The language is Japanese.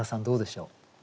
どうでしょう？